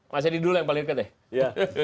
mas yedi dulu yang paling dekat ya